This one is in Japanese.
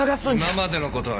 今までのことはな。